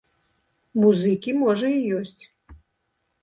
Музыкі, можа, і ёсць.